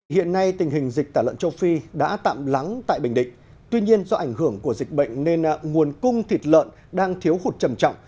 hiện nay tình hình dịch tả lợn châu phi đã tạm lắng tại bình định tuy nhiên do ảnh hưởng của dịch bệnh nên nguồn cung thịt lợn đang thiếu hụt trầm trọng